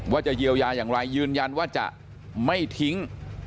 ว่าจะเยียวยาอย่างไรยืนยันว่าจะไม่ทิ้ง